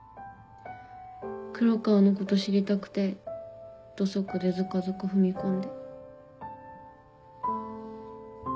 黒川のこと知りたくて土足でずかずか踏み込んで。